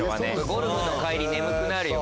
ゴルフの帰り眠くなるよ